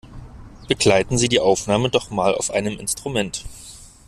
Begleiten Sie die Aufnahme doch mal auf einem Instrument!